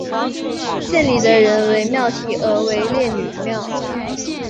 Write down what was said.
县里的人为庙题额为烈女庙。